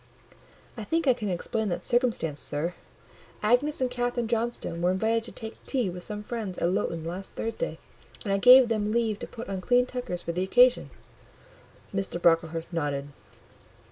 "I think I can explain that circumstance, sir. Agnes and Catherine Johnstone were invited to take tea with some friends at Lowton last Thursday, and I gave them leave to put on clean tuckers for the occasion." Mr. Brocklehurst nodded.